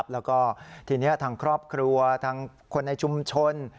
แล้วก็ทีนี้ทางครอบครัวทางคนในชุมชน